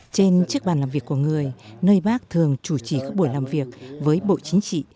trên chiếc bàn làm việc của người nơi bác thường chủ trì các buổi làm việc với bộ chính trị